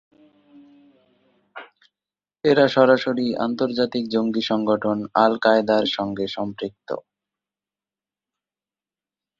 এরা সরাসরি আন্তর্জাতিক জঙ্গি সংগঠন আল-কায়েদার সঙ্গে সম্পৃক্ত।